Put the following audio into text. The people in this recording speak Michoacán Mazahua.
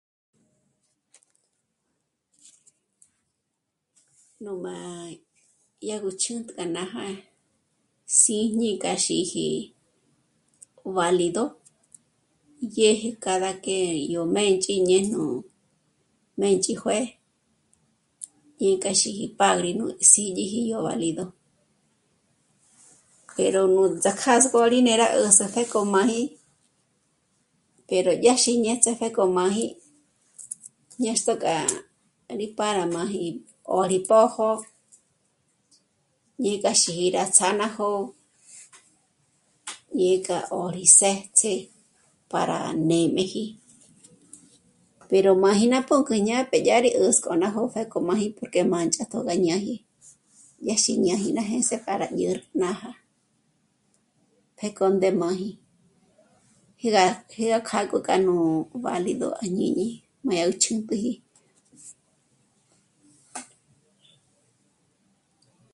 Nú má yá gó ch'ǚnt'ü k'a ná ja sîñi k'a xíji guálido dyéje cada que yó mbéndzhijñe ñe nú mbéndzíjué ñe k'a xíji pádrino nú s'ídyiji yó válido. Pero nú ts'ákâsgö rí né'e rá 'ä́s'ü pjéko máji, pero ñáxi ñêndzeje 'o máji ñâxtjo k'a rí pára máji 'óri pójo ñé k'a xî'i rá ts'á ná jó'o, ñe k'a 'ó rí ts'éts'é para nê'meji, pero má ji ná pǔnk'ü ñá'a que ñá'a rí 'äzk'o yá k'omáji porque mândzhago gá ñáji, yá xí ñáji à jés'e para dyér nája pjéko ndé móji, jé gá kjâk'o kánù válido à jñíni má yá gó ch'ǚnt'üji